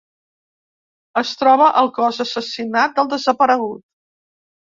Es troba el cos assassinat del desaparegut.